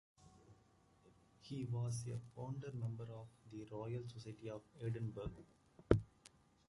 He was a founder member of the Royal Society of Edinburgh.